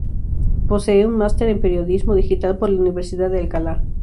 Posee un máster en Periodismo Digital por la Universidad de Alcalá.